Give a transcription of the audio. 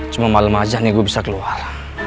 cuma malem aja nih gue bisa keluar